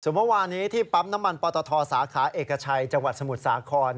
เมื่อวานี้ที่ปั๊มน้ำมันปตทสาขาเอกชัยจังหวัดสมุทรสาคร